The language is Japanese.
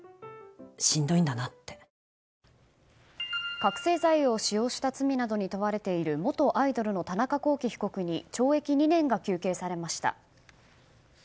覚醒剤を使用した罪などに問われている元アイドルの田中聖被告に懲役２年が求刑されました。